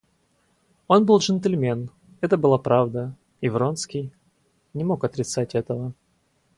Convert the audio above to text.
Он был джентльмен — это была правда, и Вронский не мог отрицать этого.